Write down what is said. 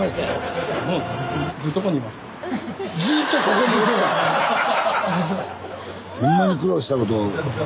こんなに苦労したこと。